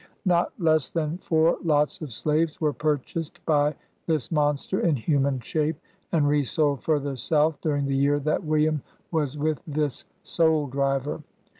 Not less than four lots of slaves were purchased by this monster in human shape, and resold further South, during the year that William w T as with this "soul driver."